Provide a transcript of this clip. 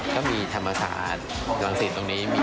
ก็มีธรรมศาสตร์ตรงนี้